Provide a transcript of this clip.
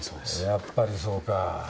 やっぱりそうか。